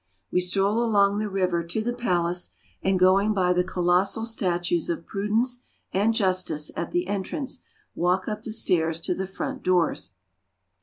We stroll along the river to the palace, and going by the colossal statues of Prudence and Justice at the entrance, walk up the stairs to the front doors.